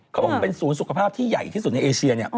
เขาบอกเป็นศูนย์สุขภาพที่ใหญ่ที่สุดในเอเชียเนี่ย